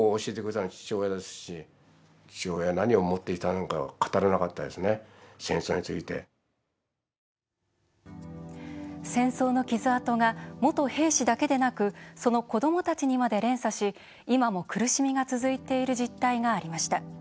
なぜ、こうなってしまったのか戦争の傷痕が元兵士だけでなくその子どもたちにまで連鎖し今も苦しみが続いている実態がありました。